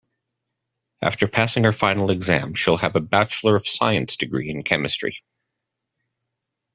After passing her final exam she will have a bachelor of science degree in chemistry.